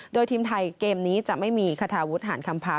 โดยทีมไทยเกมนี้จะไม่มีคาทาวุฒิหารคำพา